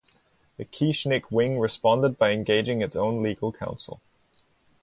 The Kieschnick wing responded by engaging its own legal counsel.